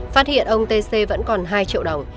phát hiện ông t c vẫn còn hai triệu đồng